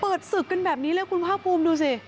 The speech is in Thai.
เปิดสึกกันแบบนี้เลยคุณพ่าโพมดูสิ